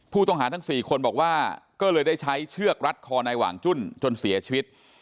ผู้ต้องหาทั้ง๔คนบอกว่าก็เลยได้ใช้เชือกรัดคอนายหว่างจุ้นจนเสียชีวิต